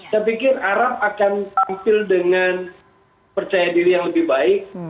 saya pikir arab akan tampil dengan percaya diri yang lebih baik